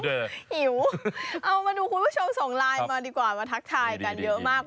หิวเอามาดูคุณผู้ชมส่งไลน์มาดีกว่ามาทักทายกันเยอะมาก